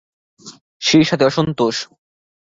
সেই সাথে অসন্তোষ।